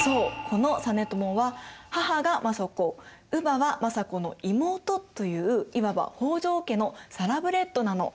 この実朝は母が政子乳母は政子の妹といういわば北条家のサラブレッドなの。